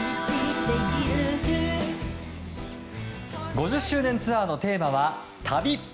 ５０周年ツアーのテーマは旅。